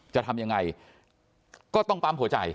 จะทำยังไงก็ต้องปั๊มหัวใจ